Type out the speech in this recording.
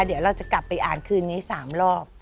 เดี๋ยวเราจะกลับไปอ่านคืนนี้๓รอบ